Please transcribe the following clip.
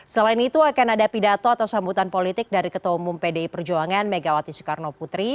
selain itu akan ada pidato atau sambutan politik dari ketua umum pdi perjuangan megawati soekarno putri